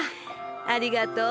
ありがとう。